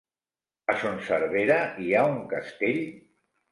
A Son Servera hi ha un castell?